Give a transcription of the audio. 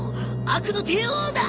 悪の帝王だ！